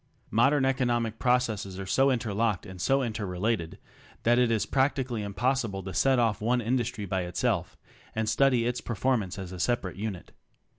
Modern economic processes are so interlocked and so interrelated, that it is practically impossible to set off one industry by it self and study its performance as a separate unit.